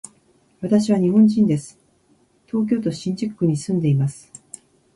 私は日本人です。東京都新宿区に住んでいます。